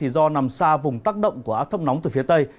do nằm xa vùng tác động của ác thông nóng từ phía tây